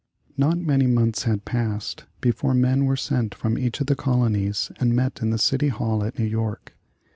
Not many months had passed before men were sent from each of the colonies and met in the City Hall at New York.